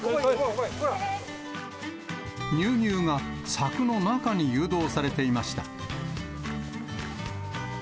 乳牛が柵の中に誘導されていました。